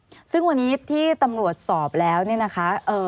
การแล้วซึ่งวันนี้ที่ตำรวจสอบแล้วนี่นะคะเอ่อ